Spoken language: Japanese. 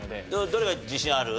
どれが自信ある？